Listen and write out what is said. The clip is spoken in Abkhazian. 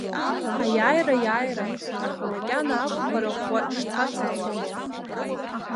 Аиааира иааиран, аха макьана ақәԥара ӷәӷәа шцац ицон.